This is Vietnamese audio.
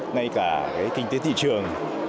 ngay cả kinh tế thị trường